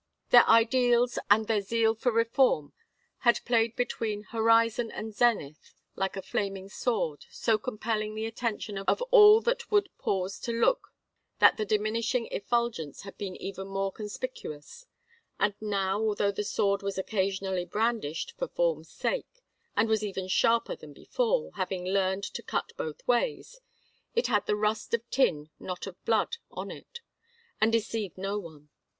Their ideals and their zeal for reform had played between horizon and zenith like a flaming sword, so compelling the attention of all that would pause to look that the diminishing effulgence had been even more conspicuous; and now, although the sword was occasionally brandished for form's sake, and was even sharper than before, having learned to cut both ways, it had the rust of tin not of blood on it, and deceived no one.